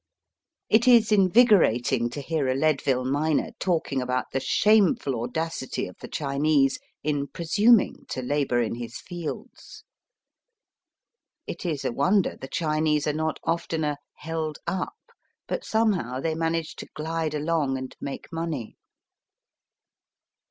It is invigorating to hear a Leadville miner talking about the shameful audacity of the Chinese in presuming to labour in his fields. It is a wonder the Chinese are not oftener " held up ;" but somehow they manage to gUde along and make money.